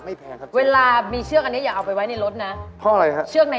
เฮ้ยของผมนี่เชือกทออย่างแบรนด์นี่ฮะ